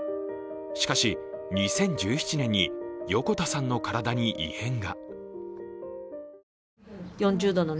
しかし、２０１７年に横田さんの体に異変が。